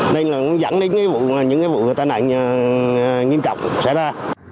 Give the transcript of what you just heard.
nên là dẫn đến những cái vụ tai nạn nghiêm trọng xảy ra